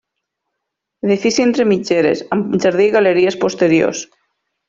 Edifici entre mitgeres, amb jardí i galeries posteriors.